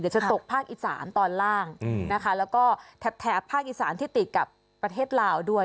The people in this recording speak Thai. จะตกภาคอีสานตอนล่างนะคะแล้วก็แถบภาคอีสานที่ติดกับประเทศลาวด้วย